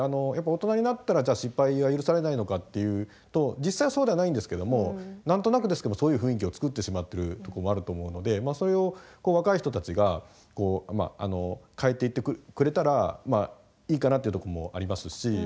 やっぱ大人になったらじゃあ失敗は許されないのかっていうと実際はそうではないんですけども何となくですけどもそういう雰囲気を作ってしまってるとこもあると思うのでそれを若い人たちがこう変えていってくれたらいいかなっていうとこもありますし。